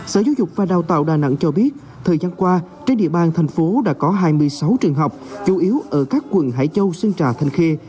sở giáo dục và đào tạo đà nẵng cho biết thời gian qua trên địa bàn thành phố đã có hai mươi sáu trường học chủ yếu ở các quận hải châu sơn trà thanh khê